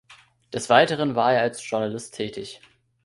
Des Weiteren war er als Journalist tätig.